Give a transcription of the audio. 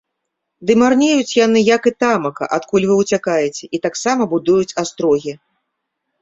Ды марнеюць яны, як і тамака, адкуль вы ўцякаеце, і таксама будуюць астрогі.